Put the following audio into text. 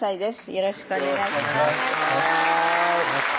よろしくお願いします